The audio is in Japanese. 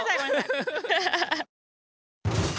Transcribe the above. ハハハッ。